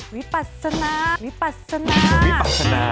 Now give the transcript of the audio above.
วิปัสนาวิปัสนาวิปัสนา